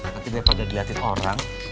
nanti daripada diliatin orang